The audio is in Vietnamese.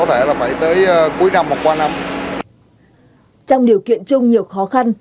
trong điều kiện chung nhiều khó khăn